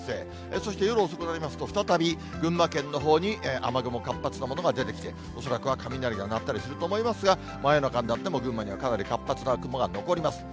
そして夜遅くなりますと、再び群馬県のほうに雨雲、活発なものが出てきて、恐らくは雷が鳴ったりすると思いますが、真夜中になっても、群馬にはかなり活発な雲が残ります。